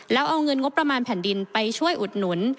แล้วเอาเงินงบประมาณแผ่นดินไปช่วยอุดหนุน